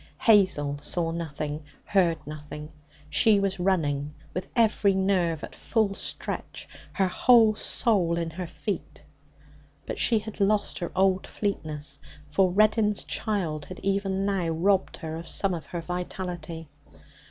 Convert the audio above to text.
Hazel saw nothing, heard nothing. She was running with every nerve at full stretch, her whole soul in her feet. But she had lost her old fleetness, for Reddin's child had even now robbed her of some of her vitality.